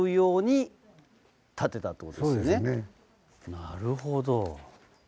なるほど。